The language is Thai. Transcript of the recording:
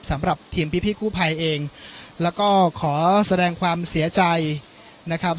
สำหรับทีมพี่กู้ภัยเองแล้วก็ขอแสดงความเสียใจนะครับ